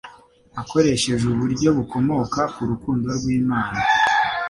akoresheje uburyo bukomoka ku rukundo rw’Imana;